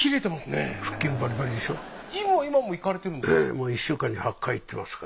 ジムは今も行かれてるんですか？